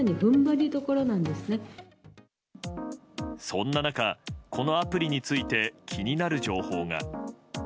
そんな中、このアプリについて気になる情報が。